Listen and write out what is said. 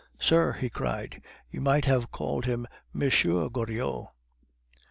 "Sir," he cried, "you might have called him 'Monsieur Goriot'!"